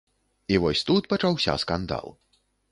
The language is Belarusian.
І вось тут пачаўся скандал.